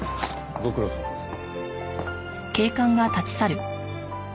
ご苦労さまです。